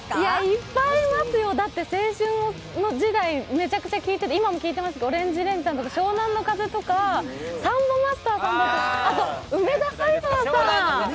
いっぱいいますよ、青春時代めちゃくちゃ聴いてて今も聴いてますがＯＲＡＮＧＥＲＡＮＧＥさんとか湘南乃風とかサンボマスターさんとかあと梅田サイファーさん。